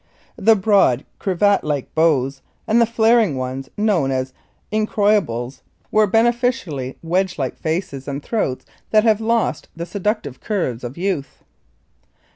The broad, cravat like bows, and the flaring ones known as "incroyables," were beneficently wedge like faces and throats that have lost the seductive curves of youth.